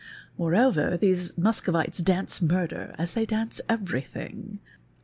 " Moreover, these Mus covites dance murder as they dance everything.